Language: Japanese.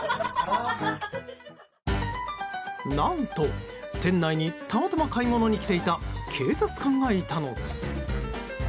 何と、店内にたまたま買い物に来ていた警察官がいたのです。